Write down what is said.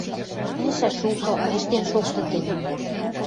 Пӓшӓ шукы, ӹштен шокты тӹнь.